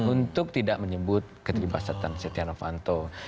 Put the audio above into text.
untuk tidak menyebut keterlibatan setiano panto